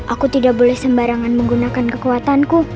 aku tidak boleh sembarangan menggunakan kekuatanku